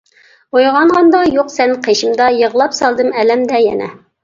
ئويغانغاندا يوق سەن قېشىمدا، يىغلاپ سالدىم ئەلەمدە يەنە.